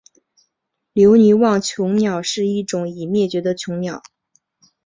留尼旺椋鸟是一种已灭绝的椋鸟。